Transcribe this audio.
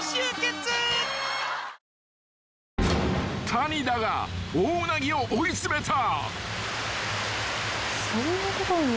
［谷田がオオウナギを追い詰めた］